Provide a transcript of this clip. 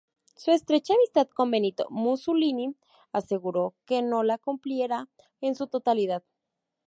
Su estrecha amistad con Benito Mussolini aseguró que no la cumpliera en su totalidad.